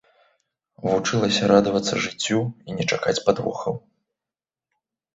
Вучылася радавацца жыццю і не чакаць падвохаў.